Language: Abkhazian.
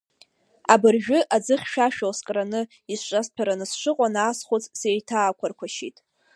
Абыржәы аӡы хьшәашәа скраны, исҿасҭәараны сшыҟоу анаасхәыц, сеиҭаақәарқәашьеит.